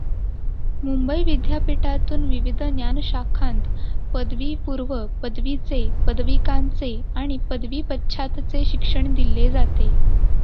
मुंबई विद्यापीठातून विविध ज्ञानशाखांत पदवीपूर्व, पदवीचे, पदविकांचे आणि पदवी पश्चातचे शिक्षण दिले जाते.